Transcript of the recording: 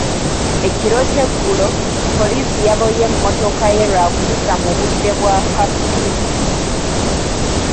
Ekiro ky'eggulo, Poliisi yaboye emmotoka ye lwa kuyisa mu budde bwa kafiyu.